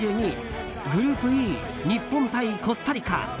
グループＥ、日本対コスタリカ。